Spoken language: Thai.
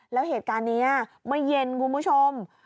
แล้วเหตุการณ์นี้เมื่อเย็นคุณผู้ชม